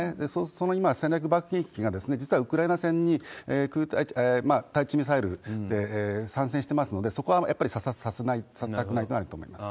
その今、戦略爆撃機が、実はウクライナ戦に、対地ミサイルで参戦してますので、そこはやっぱり査察させない、されたくないというのはあると思います。